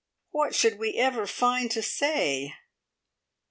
what should we ever find to say?